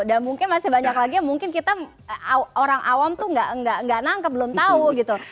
dan mungkin masih banyak lagi mungkin kita orang awam tuh nggak nangkep belum tahu gitu